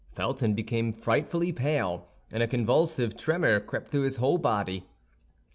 Felton became frightfully pale, and a convulsive tremor crept through his whole body.